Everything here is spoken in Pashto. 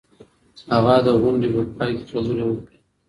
هغه د غونډې په پای کي خبري وکړې.